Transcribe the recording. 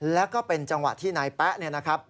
แล้วก็เป็นจังหวะที่นายแป๊ะเนี่ยนะครับ